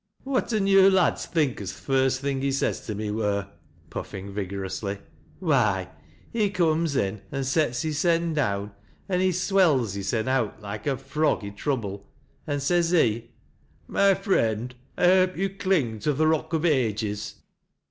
" Whatten yo' lads think as th' first thing he says to me wur ?" puffing vigorously. " Why, he cooms in an' sets hissen down, an' he swells hissen out loike a frog i' trouble, an' ses he, ' My friend, I hope you cling to th' rock o' ages.'